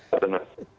tidak terlalu jelas